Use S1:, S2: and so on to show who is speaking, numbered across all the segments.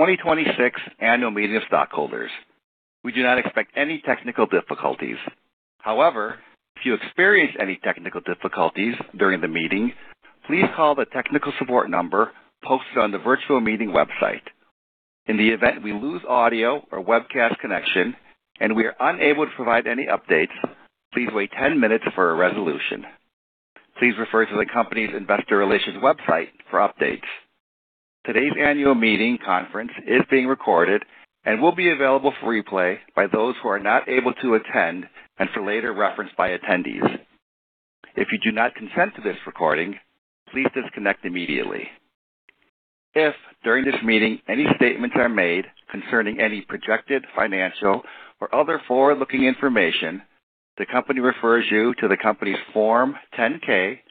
S1: Inc. 2026 Annual Meeting of Stockholders. We do not expect any technical difficulties. However, if you experience any technical difficulties during the meeting, please call the technical support number posted on the virtual meeting website. In the event we lose audio or webcast connection and we are unable to provide any updates, please wait 10 minutes for a resolution. Please refer to the company's investor relations website for updates. Today's annual meeting conference is being recorded and will be available for replay by those who are not able to attend and for later reference by attendees. If you do not consent to this recording, please disconnect immediately. If during this meeting any statements are made concerning any projected financial or other forward-looking information, the company refers you to the company's Form 10-K,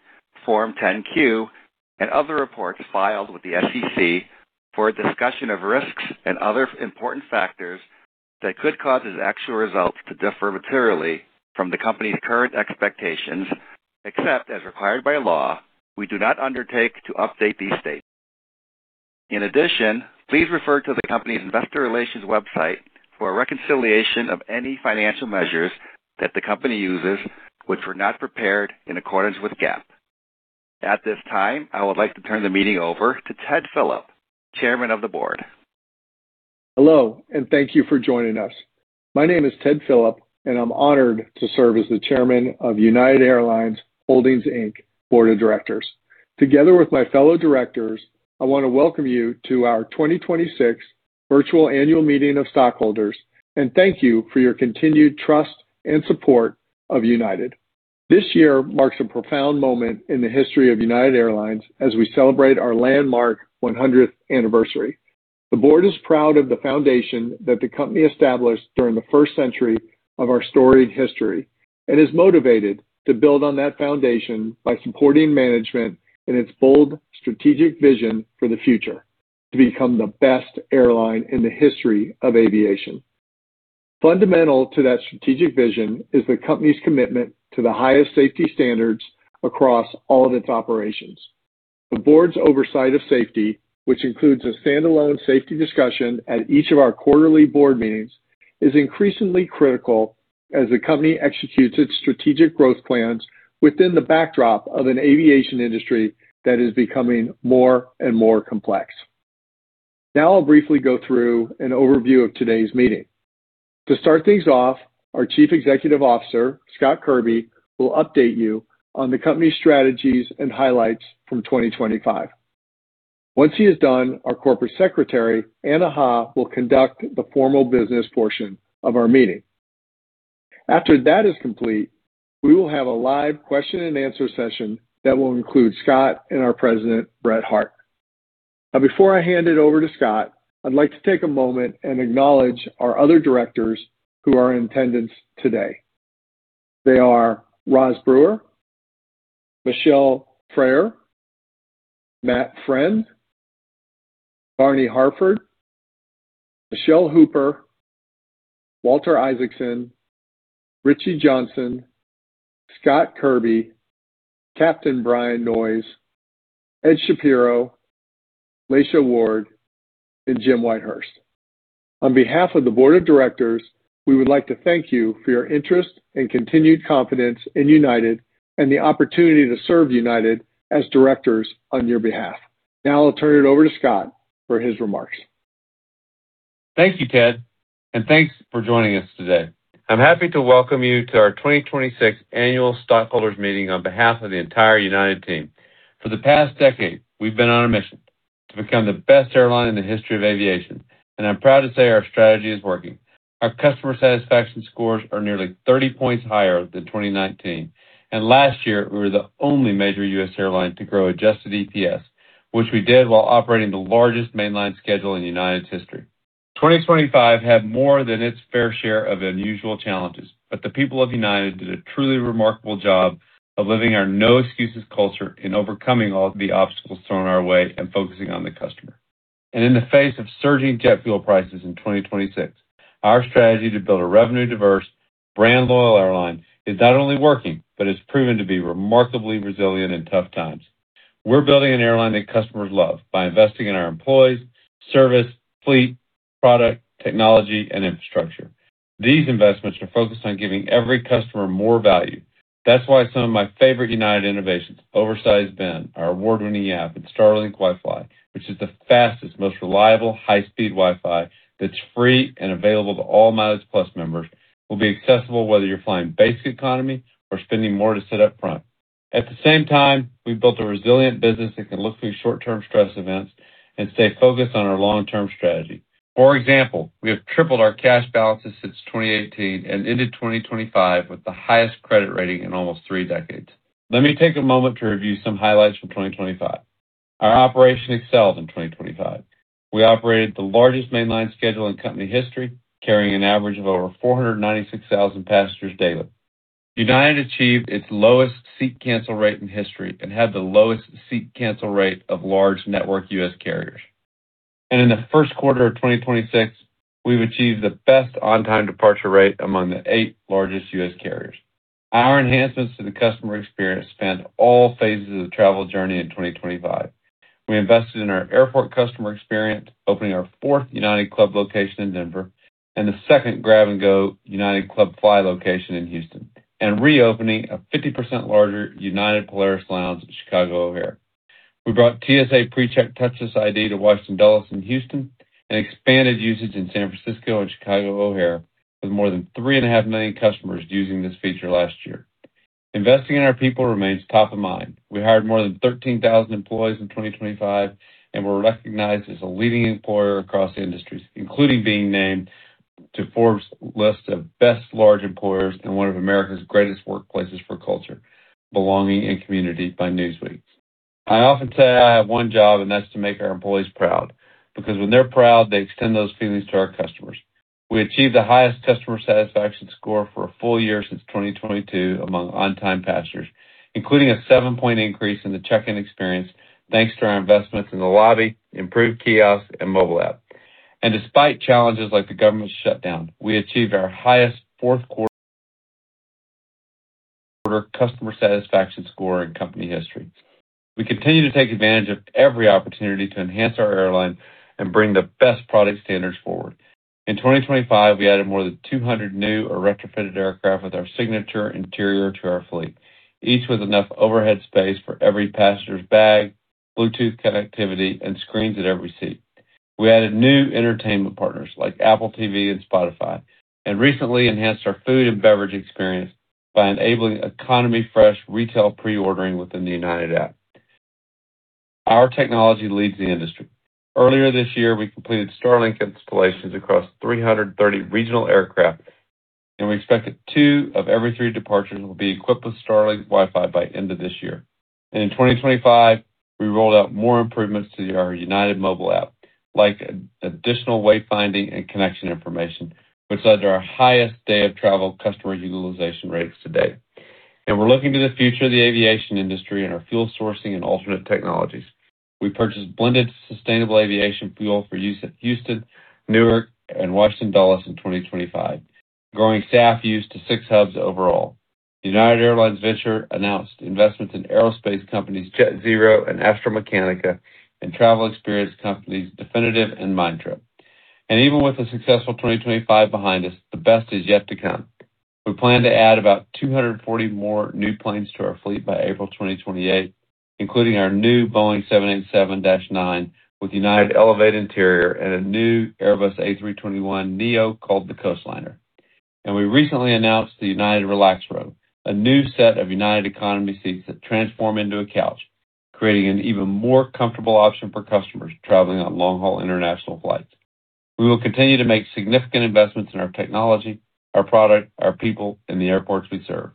S1: Form 10-Q, and other reports filed with the SEC for a discussion of risks and other important factors that could cause its actual results to differ materially from the company's current expectations. Except as required by law, we do not undertake to update these statements. In addition, please refer to the company's investor relations website for a reconciliation of any financial measures that the company uses which were not prepared in accordance with GAAP. At this time, I would like to turn the meeting over to Ted Philip, Chairman of the Board.
S2: Hello, and thank you for joining us. My name is Ted Philip, and I'm honored to serve as the Chairman of United Airlines Holdings, Inc. Board of Directors. Together with my fellow directors, I want to welcome you to our 2026 virtual annual meeting of stockholders and thank you for your continued trust and support of United. This year marks a profound moment in the history of United Airlines as we celebrate our landmark 100th anniversary. The board is proud of the foundation that the company established during the first century of our storied history and is motivated to build on that foundation by supporting management in its bold strategic vision for the future: to become the best airline in the history of aviation. Fundamental to that strategic vision is the company's commitment to the highest safety standards across all of its operations. The board's oversight of safety, which includes a standalone safety discussion at each of our quarterly board meetings, is increasingly critical as the company executes its strategic growth plans within the backdrop of an aviation industry that is becoming more and more complex. I'll briefly go through an overview of today's meeting. To start things off, our Chief Executive Officer, Scott Kirby, will update you on the company's strategies and highlights from 2025. Once he is done, our Corporate Secretary, Anna Ha, will conduct the formal business portion of our meeting. After that is complete, we will have a live question-and-answer session that will include Scott and our President, Brett Hart. Before I hand it over to Scott, I'd like to take a moment and acknowledge our other directors who are in attendance today. They are Roz Brewer, Michelle Freyre, Matt Friend, Barney Harford, Michele Hooper, Walter Isaacson, Richard Johnsen, Scott Kirby, Captain Brian Noyes, Ed Shapiro, Laysha Ward, and Jim Whitehurst. On behalf of the board of directors, we would like to thank you for your interest and continued confidence in United and the opportunity to serve United as directors on your behalf. Now I'll turn it over to Scott for his remarks.
S3: Thank you, Ted, and thanks for joining us today. I'm happy to welcome you to our 2026 annual stockholders meeting on behalf of the entire United team. For the past decade, we've been on a mission: to become the best airline in the history of aviation. I'm proud to say our strategy is working. Our customer satisfaction scores are nearly 30 points higher than 2019. Last year, we were the only major U.S. airline to grow adjusted EPS, which we did while operating the largest mainline schedule in United's history. 2025 had more than its fair share of unusual challenges, but the people of United did a truly remarkable job of living our "No Excuses" culture in overcoming all the obstacles thrown our way and focusing on the customer. In the face of surging jet fuel prices in 2026, our strategy to build a revenue-diverse, brand-loyal airline is not only working but has proven to be remarkably resilient in tough times. We're building an airline that customers love by investing in our employees, service, fleet, product, technology, and infrastructure. These investments are focused on giving every customer more value. That's why some of my favorite United innovations, oversized bin, our award-winning app, and Starlink Wi-Fi, which is the fastest, most reliable, high-speed Wi-Fi that's free and available to all MileagePlus members, will be accessible whether you're flying basic economy or spending more to sit up front. At the same time, we've built a resilient business that can look through short-term stress events and stay focused on our long-term strategy. For example, we have tripled our cash balances since 2018 and ended 2025 with the highest credit rating in almost three decades. Let me take a moment to review some highlights from 2025. Our operation excelled in 2025. We operated the largest mainline schedule in company history, carrying an average of over 496,000 passengers daily. United achieved its lowest seat cancel rate in history and had the lowest seat cancel rate of large network U.S. carriers. In the first quarter of 2026, we've achieved the best on-time departure rate among the eight largest U.S. carriers. Our enhancements to the customer experience spanned all phases of the travel journey in 2025. We invested in our airport customer experience, opening our fourth United Club location in Denver and the second Grab-and-Go United Club Fly location in Houston, and reopening a 50% larger United Polaris Lounge at Chicago O'Hare. We brought TSA PreCheck Touchless ID to Washington Dulles and Houston and expanded usage in San Francisco and Chicago O'Hare, with more than 3.5 million customers using this feature last year. Investing in our people remains top of mind. We hired more than 13,000 employees in 2025 and were recognized as a leading employer across the industries, including being named to Forbes' list of Best Large Employers and one of America's Greatest Workplaces for Culture, Belonging & Community by Newsweek. I often say I have one job, and that's to make our employees proud because when they're proud, they extend those feelings to our customers. We achieved the highest customer satisfaction score for a full year since 2022 among on-time passengers, including a seven-point increase in the check-in experience, thanks to our investments in the lobby, improved kiosks, and mobile app. Despite challenges like the government shutdown, we achieved our highest fourth quarter customer satisfaction score in company history. We continue to take advantage of every opportunity to enhance our airline and bring the best product standards forward. In 2025, we added more than 200 new or retrofitted aircraft with our signature interior to our fleet, each with enough overhead space for every passenger's bag, Bluetooth connectivity, and screens at every seat. We added new entertainment partners like Apple TV and Spotify and recently enhanced our food and beverage experience by enabling economy fresh retail preorders within the United app. Our technology leads the industry. Earlier this year, we completed Starlink installations across 330 regional aircraft. We expect that two of every three departures will be equipped with Starlink Wi-Fi by end of this year. In 2025, we rolled out more improvements to our United mobile app, like additional wayfinding and connection information, which led to our highest day-of-travel customer utilization rates to date. We're looking to the future of the aviation industry and our fuel sourcing and alternate technologies. We purchased blended sustainable aviation fuel for use at Houston, Newark, and Washington Dulles in 2025, growing SAF use to six hubs overall. The United Airlines Ventures announced investments in aerospace companies JetZero and Astro Mechanica and travel experience companies Definitive and Mindtrip. Even with a successful 2025 behind us, the best is yet to come. We plan to add about 240 more new planes to our fleet by April 2028, including our new Boeing 787-9 with United Elevated interior and a new Airbus A321neo called the Coastliner. We recently announced the United Relax Row, a new set of United Economy seats that transform into a couch, creating an even more comfortable option for customers traveling on long-haul international flights. We will continue to make significant investments in our technology, our product, our people, and the airports we serve.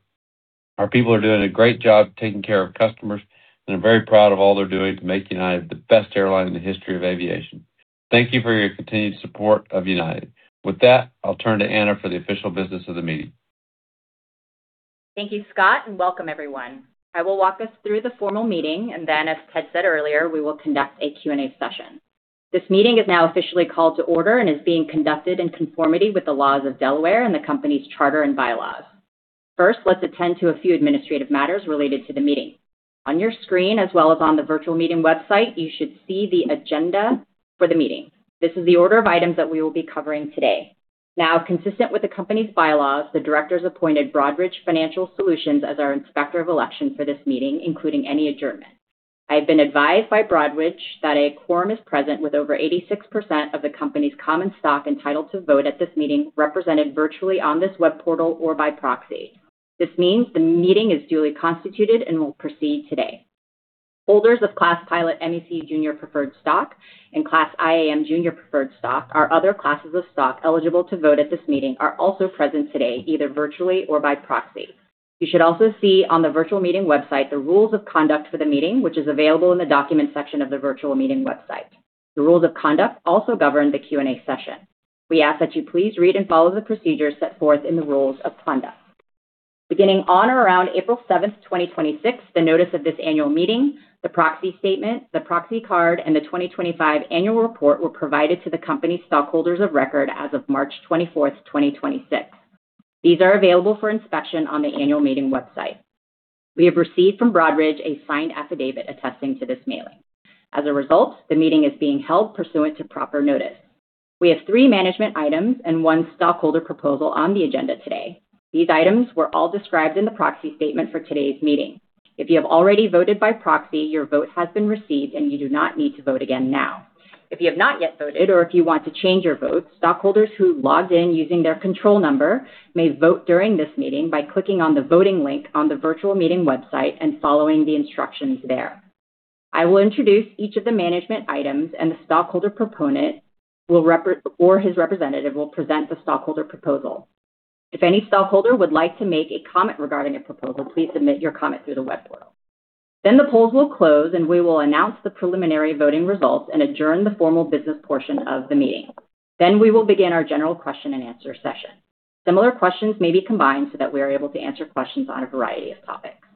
S3: Our people are doing a great job taking care of customers, and I'm very proud of all they're doing to make United the best airline in the history of aviation. Thank you for your continued support of United. With that, I'll turn to Anna for the official business of the meeting.
S4: Thank you, Scott, and welcome everyone. I will walk us through the formal meeting, and then, as Ted said earlier, we will conduct a Q&A session. This meeting is now officially called to order and is being conducted in conformity with the laws of Delaware and the company's charter and bylaws. First, let's attend to a few administrative matters related to the meeting. On your screen, as well as on the virtual meeting website, you should see the agenda for the meeting. This is the order of items that we will be covering today. Now, consistent with the company's bylaws, the directors appointed Broadridge Financial Solutions as our Inspector of Election for this meeting, including any adjournment. I have been advised by Broadridge that a quorum is present with over 86% of the company's common stock entitled to vote at this meeting, represented virtually on this web portal or by proxy. This means the meeting is duly constituted and will proceed today. Holders of Class Pilot MEC Junior Preferred Stock and Class IAM Junior Preferred Stock, our other classes of stock eligible to vote at this meeting, are also present today, either virtually or by proxy. You should also see on the virtual meeting website the rules of conduct for the meeting, which is available in the Documents section of the virtual meeting website. The rules of conduct also govern the Q&A session. We ask that you please read and follow the procedures set forth in the rules of conduct. Beginning on or around April 7, 2026, the notice of this annual meeting, the proxy statement, the proxy card, and the 2025 annual report were provided to the company's stockholders of record as of March 24, 2026. These are available for inspection on the annual meeting website. We have received from Broadridge a signed affidavit attesting to this mailing. As a result, the meeting is being held pursuant to proper notice. We have three management items and one stockholder proposal on the agenda today. These items were all described in the proxy statement for today's meeting. If you have already voted by proxy, your vote has been received, and you do not need to vote again now. If you have not yet voted or if you want to change your vote, stockholders who logged in using their control number may vote during this meeting by clicking on the voting link on the virtual meeting website and following the instructions there. I will introduce each of the management items. The stockholder proponent or his representative will present the stockholder proposal. If any stockholder would like to make a comment regarding a proposal, please submit your comment through the web portal. The polls will close, and we will announce the preliminary voting results and adjourn the formal business portion of the meeting. We will begin our general question-and-answer session. Similar questions may be combined so that we are able to answer questions on a variety of topics.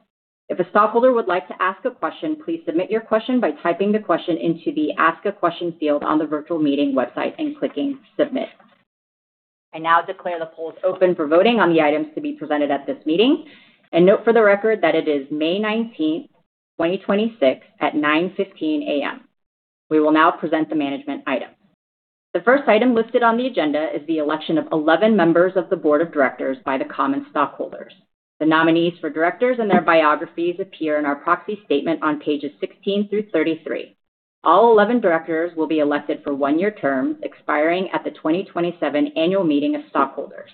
S4: If a stockholder would like to ask a question, please submit your question by typing the question into the Ask a Question field on the virtual meeting website and clicking Submit. I now declare the polls open for voting on the items to be presented at this meeting. Note for the record that it is May 19th, 2026 at 9:15 A.M. We will now present the management item. The first item listed on the agenda is the election of 11 members of the board of directors by the common stockholders. The nominees for directors and their biographies appear in our proxy statement on pages 16 through 33. All 11 directors will be elected for one-year term expiring at the 2027 annual meeting of stockholders.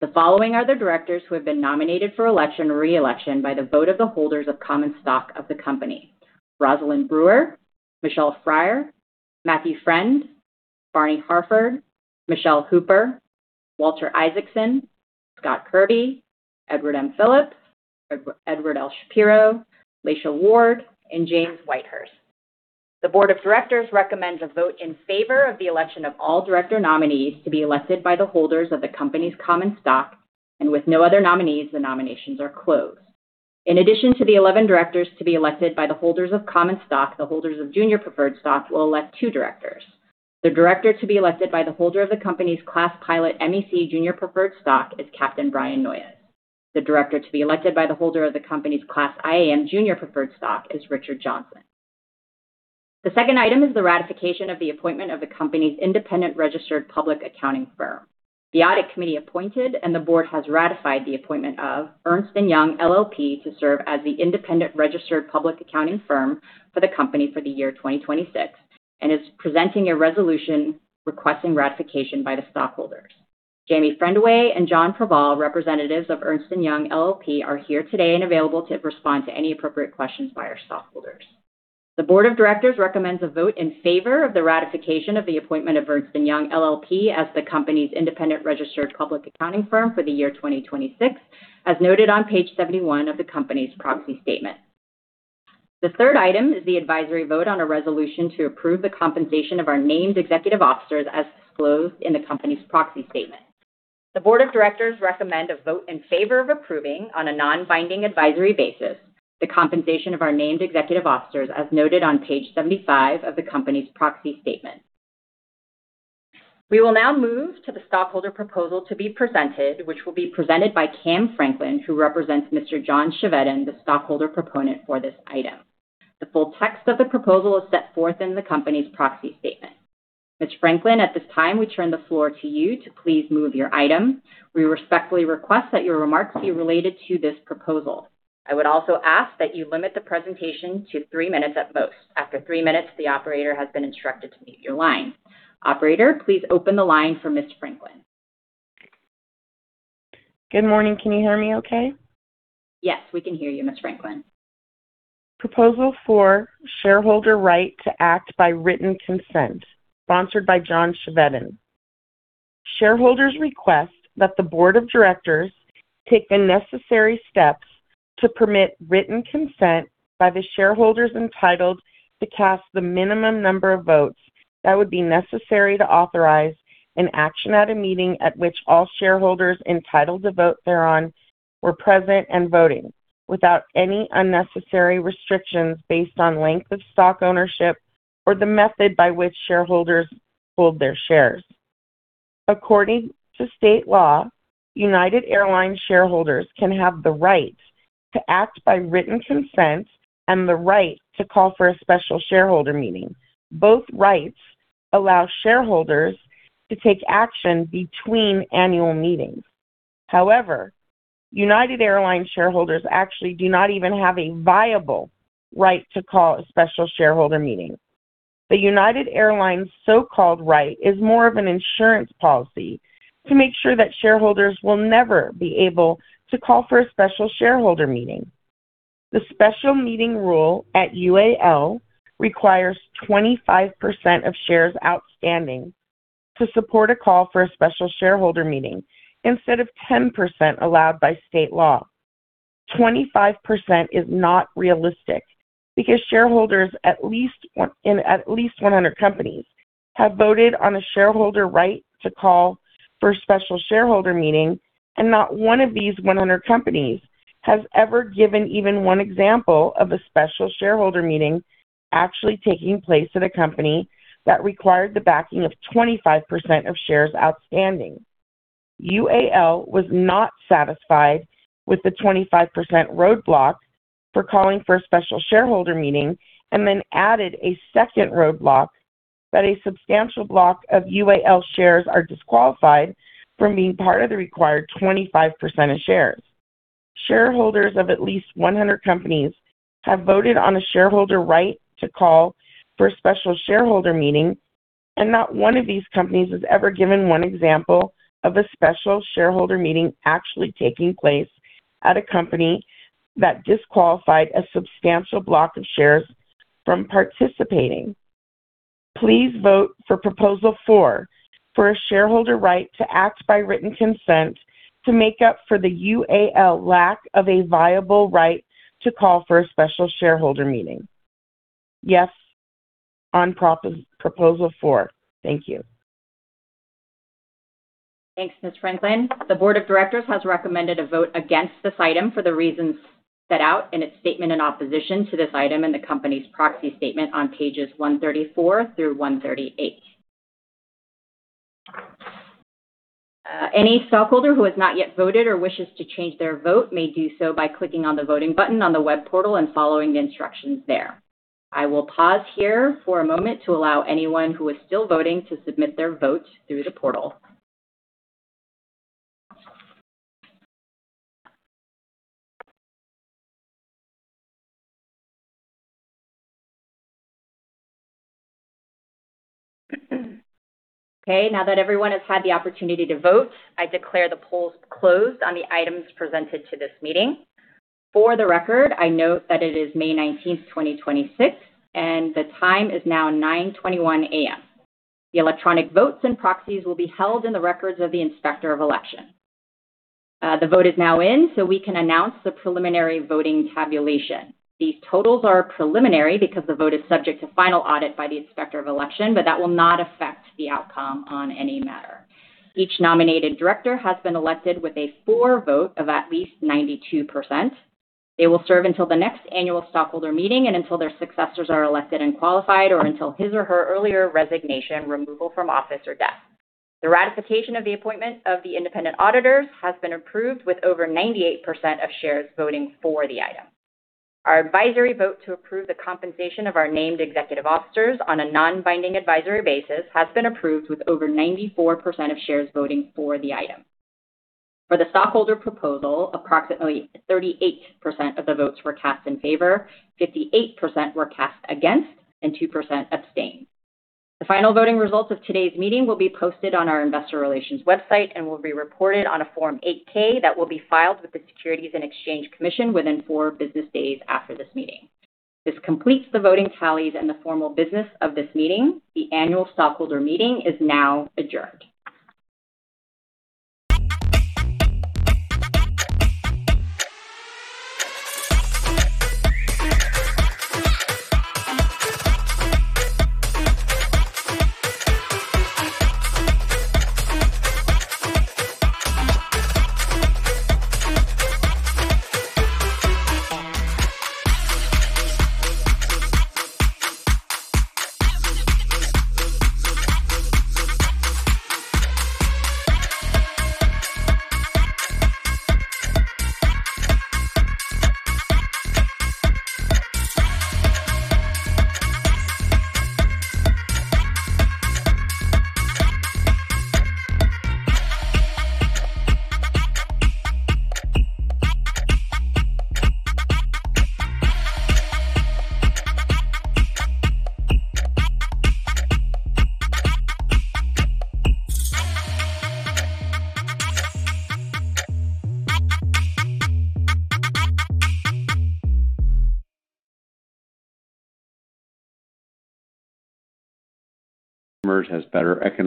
S4: The following are the directors who have been nominated for election or reelection by the vote of the holders of common stock of the company. Rosalind Brewer, Michelle Freyre, Matthew Friend, Barney Harford, Michele Hooper, Walter Isaacson, Scott Kirby, Edward M. Philip, Edward L. Shapiro, Laysha Ward, and James Whitehurst. The board of directors recommends a vote in favor of the election of all director nominees to be elected by the holders of the company's common stock. With no other nominees, the nominations are closed. In addition to the 11 directors to be elected by the holders of common stock, the holders of junior preferred stock will elect two directors. The director to be elected by the holder of the company's Class Pilot MEC Junior Preferred Stock is Captain Brian Noyes. The director to be elected by the holder of the company's Class IAM Junior Preferred Stock is Richard Johnsen. The second item is the ratification of the appointment of the company's independent registered public accounting firm. The audit committee appointed and the board has ratified the appointment of Ernst & Young LLP to serve as the independent registered public accounting firm for the company for the year 2026 and is presenting a resolution requesting ratification by the stockholders. Jamie Frendewey and John Preval, representatives of Ernst & Young LLP, are here today and available to respond to any appropriate questions by our stockholders. The board of directors recommends a vote in favor of the ratification of the appointment of Ernst & Young LLP as the company's independent registered public accounting firm for the year 2026, as noted on page 71 of the company's proxy statement. The third item is the advisory vote on a resolution to approve the compensation of our named executive officers as disclosed in the company's proxy statement. The Board of Directors recommend a vote in favor of approving on a non-binding advisory basis the compensation of our named executive officers as noted on page 75 of the company's proxy statement. We will now move to the stockholder proposal to be presented, which will be presented by [Cam Franklin], who represents Mr. John Chevedden, the stockholder proponent for this item. The full text of the proposal is set forth in the company's proxy statement. Ms.[Franklin], at this time, we turn the floor to you to please move your item. We respectfully request that your remarks be related to this proposal. I would also ask that you limit the presentation to three minutes at most. After three minutes, the operator has been instructed to mute your line. Operator, please open the line for Ms. [Franklin].
S5: Good morning. Can you hear me okay?
S4: Yes, we can hear you, Ms. [Franklin].
S5: Proposal four, shareholder right to act by written consent, sponsored by John Chevedden. Shareholders request that the board of directors take the necessary steps to permit written consent by the shareholders entitled to cast the minimum number of votes that would be necessary to authorize an action at a meeting at which all shareholders entitled to vote thereon were present and voting without any unnecessary restrictions based on length of stock ownership or the method by which shareholders hold their shares. According to state law, United Airlines shareholders can have the right to act by written consent and the right to call for a special shareholder meeting. Both rights allow shareholders to take action between annual meetings. However, United Airlines shareholders actually do not even have a viable right to call a special shareholder meeting. The United Airlines so-called right is more of an insurance policy to make sure that shareholders will never be able to call for a special shareholder meeting. The special meeting rule at UAL requires 25% of shares outstanding to support a call for a special shareholder meeting instead of 10% allowed by state law. 25% is not realistic because shareholders in at least 100 companies have voted on a shareholder right to call for a special shareholder meeting, and not one of these 100 companies has ever given even one example of a special shareholder meeting actually taking place at a company that required the backing of 25% of shares outstanding. UAL was not satisfied with the 25% roadblock for calling for a special shareholder meeting and then added a second roadblock that a substantial block of UAL shares are disqualified from being part of the required 25% of shares. Shareholders of at least 100 companies have voted on a shareholder right to call for a special shareholder meeting, and not one of these companies has ever given one example of a special shareholder meeting actually taking place at a company that disqualified a substantial block of shares from participating. Please vote for proposal four for a shareholder right to act by written consent to make up for the UAL lack of a viable right to call for a special shareholder meeting. Yes on proposal four. Thank you.
S4: Thanks, Ms. [Franklin]. The board of directors has recommended a vote against this item for the reasons set out in its statement in opposition to this item in the company's proxy statement on pages 134 through 138. Any stockholder who has not yet voted or wishes to change their vote may do so by clicking on the voting button on the web portal and following the instructions there. I will pause here for a moment to allow anyone who is still voting to submit their vote through the portal. Okay, now that everyone has had the opportunity to vote, I declare the polls closed on the items presented to this meeting. For the record, I note that it is May 19th, 2026, and the time is now 9:21 A.M. The electronic votes and proxies will be held in the records of the inspector of election. The vote is now in, we can announce the preliminary voting tabulation. These totals are preliminary because the vote is subject to final audit by the inspector of election, that will not affect the outcome on any matter. Each nominated director has been elected with a for vote of at least 92%. They will serve until the next annual stockholder meeting and until their successors are elected and qualified or until his or her earlier resignation, removal from office, or death. The ratification of the appointment of the independent auditors has been approved with over 98% of shares voting for the item. Our advisory vote to approve the compensation of our named executive officers on a non-binding advisory basis has been approved with over 94% of shares voting for the item. For the stockholder proposal, approximately 38% of the votes were cast in favor, 58% were cast against, and 2% abstained. The final voting results of today's meeting will be posted on our investor relations website and will be reported on a Form 8-K that will be filed with the Securities and Exchange Commission within four business days after this meeting. This completes the voting tallies and the formal business of this meeting. The annual stockholder meeting is now adjourned.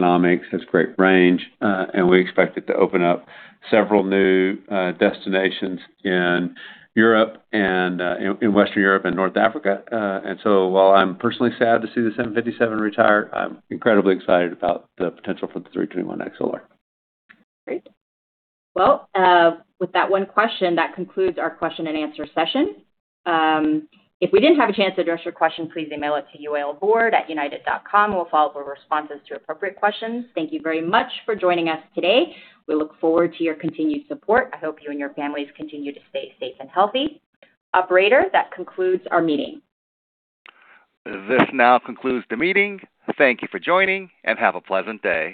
S3: Has better economics, has great range, and we expect it to open up several new destinations in Europe and in Western Europe and North Africa. While I'm personally sad to see the 757 retire, I'm incredibly excited about the potential for the A321XLR.
S4: Great. Well, with that one question, that concludes our question and answer session. If we didn't have a chance to address your question, please email it to UALboard@united.com. We'll follow up with responses to appropriate questions. Thank you very much for joining us today. We look forward to your continued support. I hope you and your families continue to stay safe and healthy. Operator, that concludes our meeting.
S1: This now concludes the meeting. Thank you for joining, and have a pleasant day.